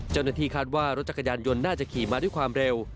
เจ้าหน้าที่คาดว่ารถจักรยานยนต์น่าจะขี่มาด้วยความเร็ว